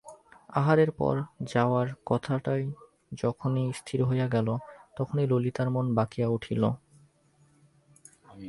আহারের পর যাওয়ার কথাটা যখনই স্থির হইয়া গেল তখনই ললিতার মন বাঁকিয়া উঠিল।